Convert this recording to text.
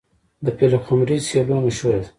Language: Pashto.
د پلخمري سیلو مشهوره ده.